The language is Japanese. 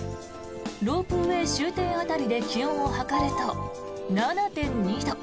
ロープウェー終点辺りで気温を測ると７．２度。